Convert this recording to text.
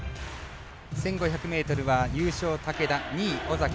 １５００ｍは優勝、竹田２位、尾崎。